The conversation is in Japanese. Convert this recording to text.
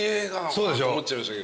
そうでしょ？